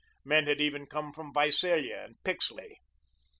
Men had even come from Visalia and Pixley.